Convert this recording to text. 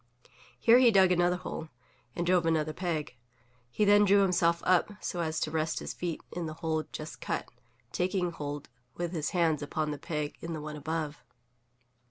Here he dug another hole, and drove another peg. He then drew himself up, so as to rest his feet in the hole just cut, taking hold with his hands upon the peg in the one above.